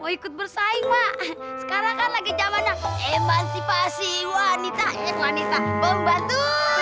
ikut bersaing sekarang lagi zaman emansipasi wanita wanita membantu